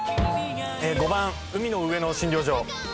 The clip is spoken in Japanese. ５番海の上の診療所。